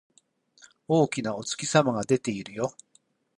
大きなお月様が出ているよ